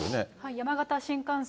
山形新幹線。